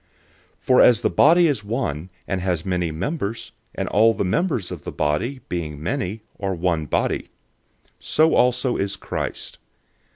012:012 For as the body is one, and has many members, and all the members of the body, being many, are one body; so also is Christ.